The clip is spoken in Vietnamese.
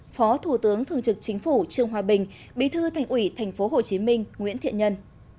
phó thủ tướng thường trực chính phủ trương hoa bình bí thư thành ủy thành phố hồ chí minh nguyễn thiện nhân